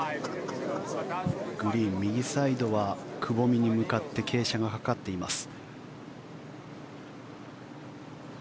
グリーン右サイドはくぼみに向かって傾斜がかかっています。